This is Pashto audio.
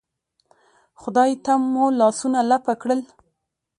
خدای ته مو لاسونه لپه کړل.